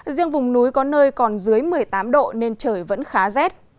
riêng vùng núi có nơi còn dưới một mươi tám độ nên trời vẫn khá rét